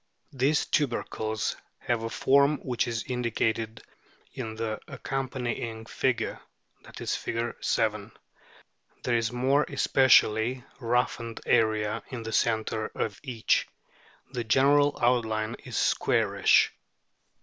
These tuber cles have a form which is indicated in the accom panying figure. (Fig. 7.) There is a more especially roughened area in the centre of each. The general outline is squarish.